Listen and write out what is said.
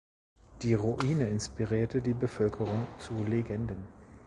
Die Ruine inspirierte die Bevölkerung zu Legenden.